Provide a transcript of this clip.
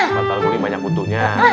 lantal bunyi banyak butuhnya